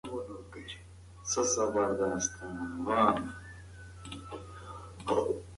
ده په خپلو چاودو لاسونو باندې د مرطوبې هوا اغیز لیدلی و.